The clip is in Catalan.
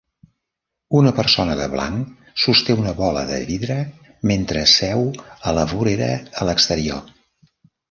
Una persona de blanc sosté una bola de vidre mentre seu a la vorera a l'exterior.